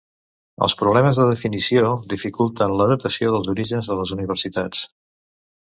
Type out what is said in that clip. Els problemes de definició dificulten la datació dels orígens de les universitats.